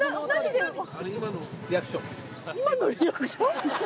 今のリアクション？